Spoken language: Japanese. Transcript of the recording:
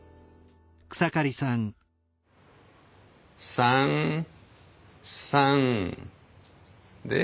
３３で５。